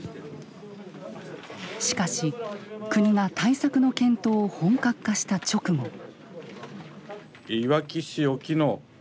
しかし国が対策の検討を本格化した直後。